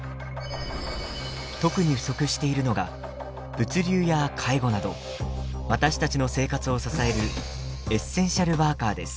特に不足しているのが物流や介護など私たちの生活を支えるエッセンシャルワーカーです。